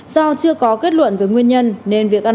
do chưa có kết luận về nguyên nhân